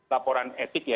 laporan etik ya